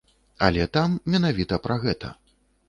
Але там менавіта пра гэта.